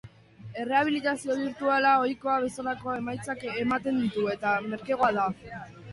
Errehabilitazio birtualak ohikoak bezalako emaitzak ematen ditu, eta merkeagoa da.